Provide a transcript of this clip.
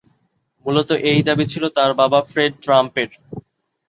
মূলত এই দাবি ছিল তার বাবা ফ্রেড ট্রাম্পের।